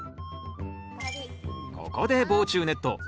ここで防虫ネット。